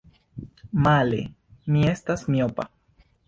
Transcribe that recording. Male, mi estas miopa!